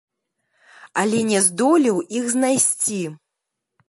Але не здолеў іх знайсці.